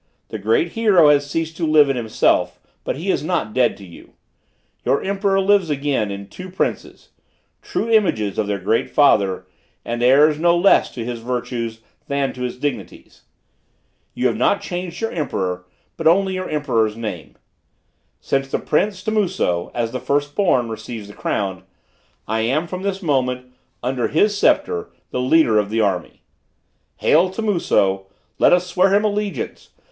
The great hero has ceased to live in himself; but he is not dead to you! Your emperor lives again in two princes, true images of their great father, and heirs no less to his virtues than to his dignities. You have not changed your emperor, but only your emperor's name. Since the prince Timuso, as the first born, receives the crown, I am, from this moment, under his sceptre, the leader of the army. "Hail, Timuso! To him let us swear allegiance!